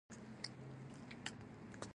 دا یو اورښیندونکی غر دی.